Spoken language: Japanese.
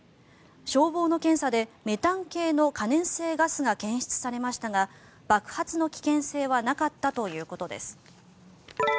消防の検査でメタン系の可燃性ガスが検出されましたが爆発の危険性はなかったということです。